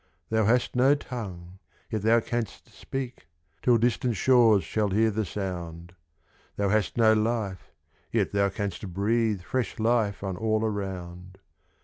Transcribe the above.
Thou hast no tongue, yet thou canst speak, Till distant shores shall hear the sound; Thou hast no life, yet thou canst breathe Fresh life on all around.